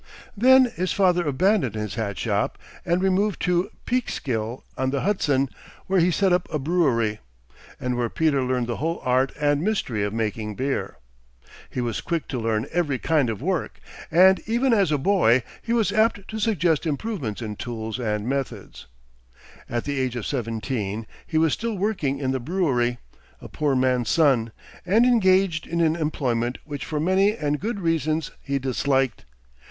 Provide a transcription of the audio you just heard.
Then his father abandoned his hat shop and removed to Peekskill on the Hudson, where he set up a brewery, and where Peter learned the whole art and mystery of making beer. He was quick to learn every kind of work, and even as a boy he was apt to suggest improvements in tools and methods. At the age of seventeen, he was still working in the brewery, a poor man's son, and engaged in an employment which for many and good reasons he disliked.